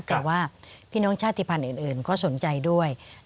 แต่ว่าพี่น้องชาติภัณฑ์อื่นก็สนใจด้วย